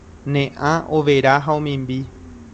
Ne ã overa ha omimbi